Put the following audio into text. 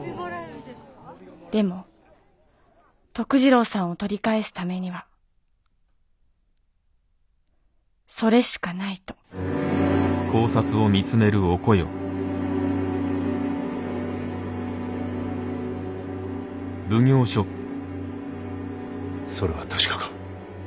でも徳次郎さんを取り返すためにはそれしかないとそれは確かか？